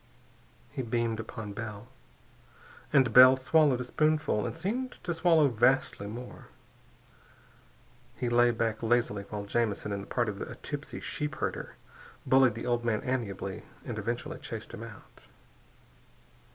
_" He beamed upon Bell, and Bell swallowed a spoonful and seemed to swallow vastly more. He lay back lazily while Jamison in the part of a tipsy sheepherder bullied the old man amiably and eventually chased him out.